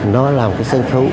nó là một cái sân khấu